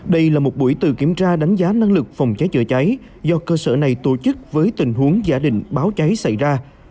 đây là một buổi từ kiểm tra đánh giá năng lực phòng cháy chữa cháy do cơ sở này tổ chức với tình huống giả định báo cháy xảy ra